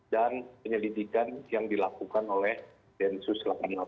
dan penyelidikan yang dilakukan oleh densus delapan puluh delapan